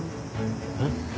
えっ？